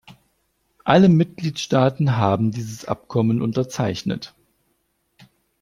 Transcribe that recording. Alle Mitgliedstaaten haben dieses Abkommen unterzeichnet.